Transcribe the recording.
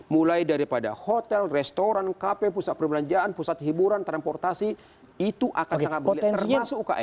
mulai daripada hotel restoran kafe pusat perbelanjaan pusat hiburan transportasi itu akan sangat berbeda termasuk ukm